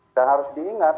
dan harus diingat